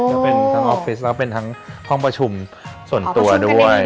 ทั้งเป็นทั้งออฟฟิศแล้วเป็นทั้งห้องประชุมส่วนตัวด้วย